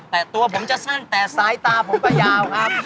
แต่ตัวผมจะสั้นแต่สายตาผมก็ยาวครับ